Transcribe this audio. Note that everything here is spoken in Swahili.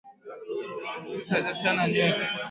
Chris hajachana nywele.